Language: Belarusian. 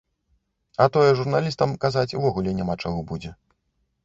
А тое журналістам казаць увогуле няма чаго будзе.